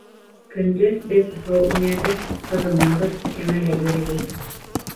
Көндөҙ беҙ һыу инәбеҙ, ҡыҙынабыҙ, кәмәлә йөрөйбөҙ.